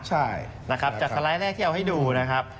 จากสไลด์แรกที่เอาให้ดูนะครับ